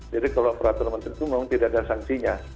jadi kalau peraturan menteri itu memang tidak ada sanksinya